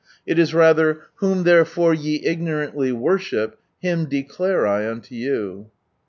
It is rather, "Whom therefore ye ignorantly worship, Him declare I unto you."